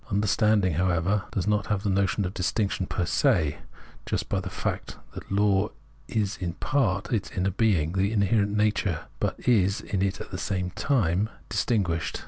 Understanding, however, does have the notion of this distinction per se, just by the fact that law is in part the inner being, the inherent nature, but is in it at the same time dis tinguished.